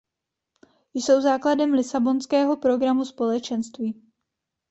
Jsou základem lisabonského programu Společenství.